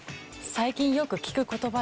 最近よく聞く言葉？